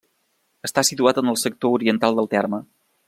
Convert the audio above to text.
Està situat en el sector oriental del terme.